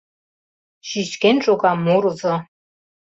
Чӱчкен шога мурызо...